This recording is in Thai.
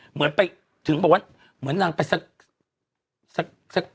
เหมือนไปถึงบอกว่าเหมือนนางไปสัก